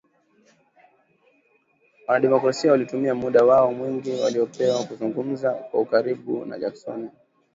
"Wana Demokrasia" walitumia muda wao mwingi waliopewa kuzungumza kwa ukaribu na Jackson, badala ya kuuliza maswali ya moja kwa moja